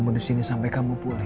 kamu disini sampai kamu pulih